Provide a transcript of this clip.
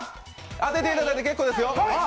あてていただいて結構ですよ。